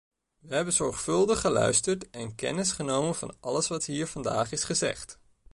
We hebben zorgvuldig geluisterd en kennis genomen van alles wat hier vandaag is gezegd.